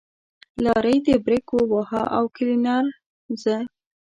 لارۍ برېک وواهه او کلينر زه.